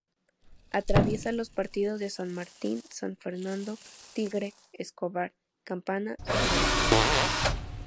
Atraviesa los partidos de San Martín, San Fernando, Tigre, Escobar, Campana y Zárate.